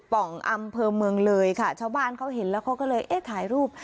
ป่องอำเภอเมืองเลยค่ะชาวบ้านเขาเห็นแล้วเขาก็เลยเอ๊ะถ่ายรูป